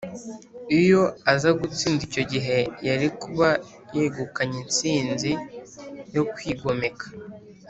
. Iyo aza gutsinda icyo gihe, yari kuba yegukanye intsinzi yo kwigomeka